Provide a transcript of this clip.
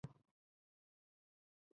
爱称是。